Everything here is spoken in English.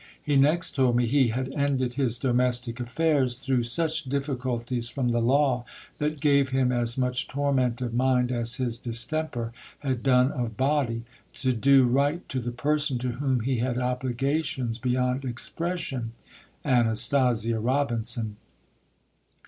He next told me he had ended his domestic affairs through such difficulties from the law that gave him as much torment of mind as his distemper had done of body, to do right to the person to whom he had obligations beyond expression (Anastasia Robinson).